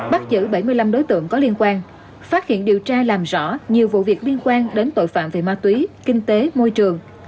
bắt giữ bảy mươi năm đối tượng có liên quan phát hiện điều tra làm rõ nhiều vụ việc liên quan đến tội phạm về ma túy kinh tế môi trường